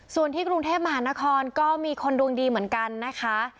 ส่วนที่กรุงเทพมหานครก็มีคนดวงดีเหมือนกันนะคะ